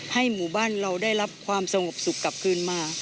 หมู่บ้านเราได้รับความสงบสุขกลับคืนมา